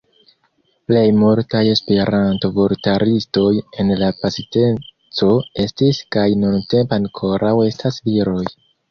Plej multaj Esperanto-vortaristoj en la pasinteco estis kaj nuntempe ankoraŭ estas viroj.